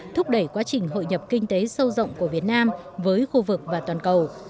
thúc đẩy quá trình hội nhập kinh tế sâu rộng của việt nam với khu vực và toàn cầu